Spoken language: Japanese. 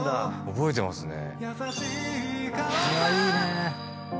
覚えてますね。